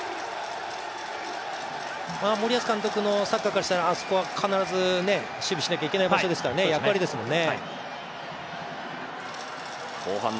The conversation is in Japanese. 森保監督のサッカーからしたらあそこは必ず守備しなくちゃいけないところですからね、役割ですもんね。